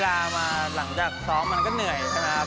เวลามาหลังจากซ้อมมันก็เหนื่อยใช่ไหมครับ